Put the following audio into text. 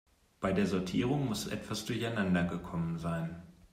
Bei der Sortierung muss etwas durcheinander gekommen sein.